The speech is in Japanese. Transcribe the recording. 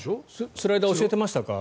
スライダー教えてましたか？